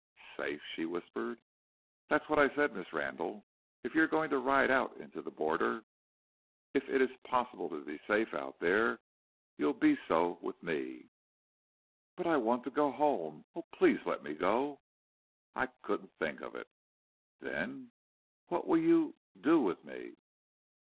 "Safe!" she whispered. "That's what I said, Miss Randle. If you're going to ride out into the border if it's possible to be safe out there you'll be so with me." "But I want to go home. Oh, please let me go!" "I couldn't think of it." "Then what will you do with me?"